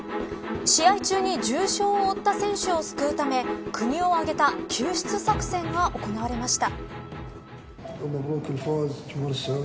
試合中に重傷を負った選手を救うため国を挙げた救出作戦が行われました。